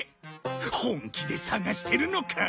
本気で探してるのか？